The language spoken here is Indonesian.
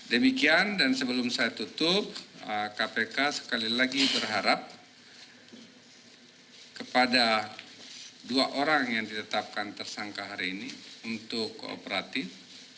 demikian dan sebelum saya tutup kpk sekali lagi berharap kepada dua orang yang ditetapkan tersangka hari ini untuk kooperatif